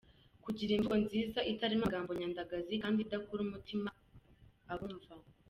Kugira imvugo nziza itarimo amagambo nyandagazi kandi idakura umutima abumva.